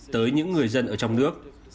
tới những người dân ở trong nước